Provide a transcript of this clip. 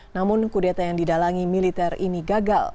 namun kudeta yang didalangi militer ini gagal